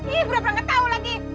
ih berapa gak tau lagi